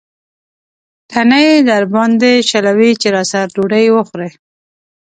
تڼۍ درباندې شلوي چې راسره ډوډۍ وخورې.